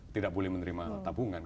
tidak boleh menerima tabungan